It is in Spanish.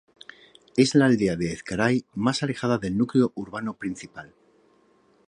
Es la aldea de Ezcaray más alejada del núcleo urbano principal.